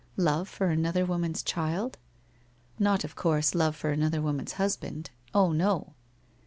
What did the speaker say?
Love for another woman's child? Not, of course, love for another woman's husband ? Oh, no